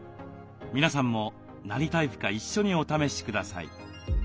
皆さんも何タイプか一緒にお試しください。